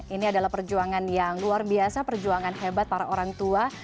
ini adalah perjuangan yang luar biasa perjuangan hebat para orang tua